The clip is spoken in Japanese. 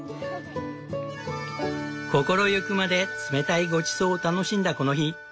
心ゆくまで冷たいごちそうを楽しんだこの日。